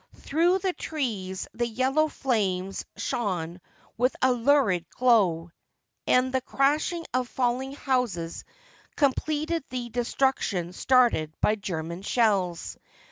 Through the trees the yellow flames shone with a lurid glow, and the crashing of falling houses completed the destruction started by German shells.